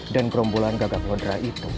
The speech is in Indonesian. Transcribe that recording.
dan gerombolan gagak lodra